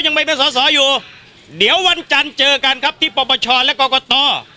ยังไม่เป็นสอสออยู่เดี๋ยววันจันทร์เจอกันครับที่ปปชและกรกต